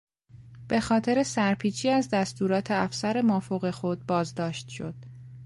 به خاطر سرپیچی از دستورات افسر مافوق خود بازداشت شد.